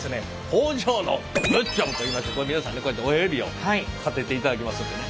「工場のグッジョブ」といいまして皆さんねこうやって親指を立てていただきますんでね。